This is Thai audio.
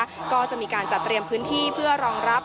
พาคุณผู้ชมไปติดตามบรรยากาศกันที่วัดอรุณราชวรรมหาวิหารค่ะ